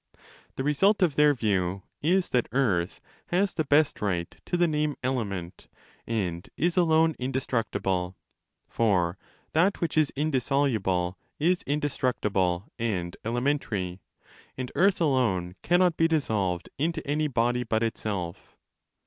The result of their view is that earth has the best right to the name element, and is alone indestructible; for that _ ο 1 j,e. in the case of art. 645.20 I 3067 | DE CAELO a0 Which is indissoluble is indestructible and elementary, and earth alone cannot be dissolved into any body but itself.